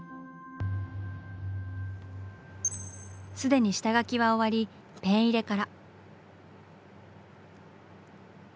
既に下描きは終わりペン入れから。